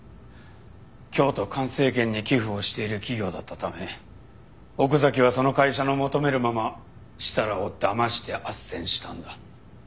京都環生研に寄付をしている企業だったため奥崎はその会社の求めるまま設楽をだまして斡旋したんだ。